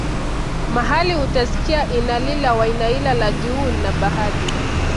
mahali utasikia innalillah wainnailah rajiuun na baadhi